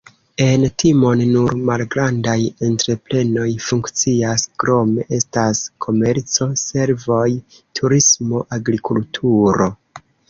En Timon nur malgrandaj entreprenoj funkcias, krome estas komerco, servoj, turismo, agrikulturo.